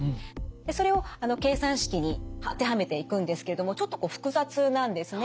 それを計算式に当てはめていくんですけれどもちょっとこう複雑なんですね。